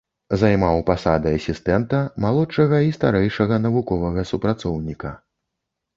Займаў пасады асістэнта, малодшага і старэйшага навуковага супрацоўніка.